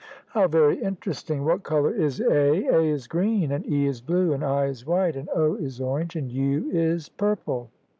" How very interesting! What colour is A? " "A is green, and E is blue, and I is white, and O is orange, and U is purple."